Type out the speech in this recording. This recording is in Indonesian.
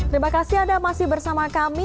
terima kasih anda masih bersama kami